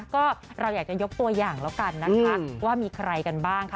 ก็เราอยากจะยกตัวอย่างแล้วกันนะคะว่ามีใครกันบ้างค่ะ